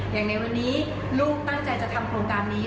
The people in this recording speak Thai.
อย่างในวันนี้ลูกตั้งใจจะทำโครงการนี้